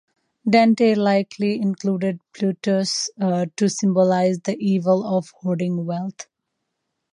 Dante likely included Plutus to symbolize the evil of hoarding wealth.